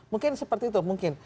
mungkin seperti itu mungkin